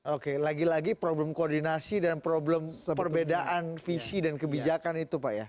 oke lagi lagi problem koordinasi dan problem perbedaan visi dan kebijakan itu pak ya